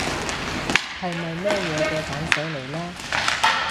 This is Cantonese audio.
係咪咩嘢嘅簡寫嚟呢？